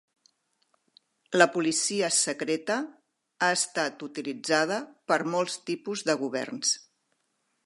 La policia secreta ha estat utilitzada per molts tipus de governs.